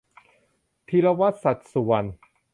ธีรวัฒน์ สัจสุวรรณ